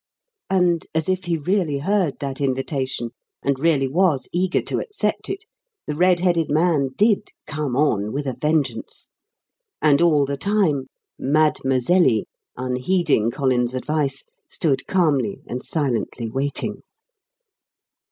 And, as if he really heard that invitation, and really was eager to accept it, the red headed man did "come on" with a vengeance. And all the time, "madmazelly," unheeding Collins's advice, stood calmly and silently waiting.